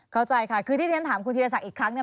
เข้าใจค่ะคือที่เรียนถามคุณธีรศักดิ์อีกครั้งเนี่ย